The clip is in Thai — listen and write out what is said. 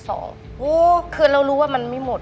โอ้โหคือเรารู้ว่ามันไม่หมด